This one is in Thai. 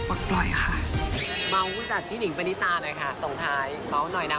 ครอบครึ่งรสชาติแน่นอนแต่จะมีความแซ่บมากหน่อยค่ะ